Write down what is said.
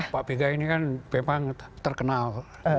pak bega ini kan memang terkenal